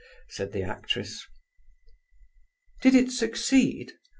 said the actress. "Did it succeed?"